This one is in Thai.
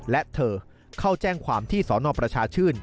และเธอเข้าแจ้งความที่สนประชาชื่น